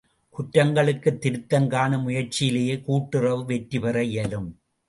குற்றங்களுக்குத் திருத்தம் காணும் முயற்சியிலேயே கூட்டுறவு வெற்றிபெற இயலும்.